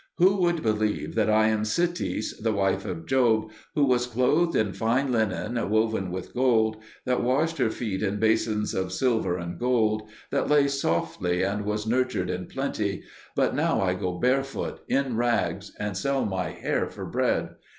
Who would believe that I am Sitis, the wife of Job, who was clothed in fine linen woven with gold, that washed her feet in basins of silver and gold, that lay softly and was nurtured in plenty; but now I go barefoot, in rags, and sell my hair for bread.